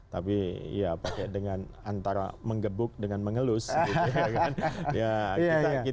tapi ya pakai dengan antara menggebuk dengan mengelus gitu ya kan